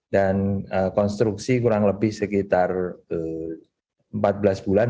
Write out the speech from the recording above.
dan konstruksi kurang lebih sekitar empat belas bulan